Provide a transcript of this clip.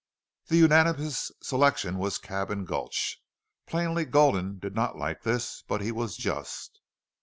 The unanimous selection was Cabin Gulch. Plainly Gulden did not like this, but he was just.